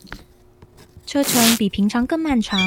車程比平常更漫長